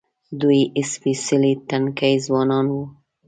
دوی سپېڅلي تنکي ځوانان وو.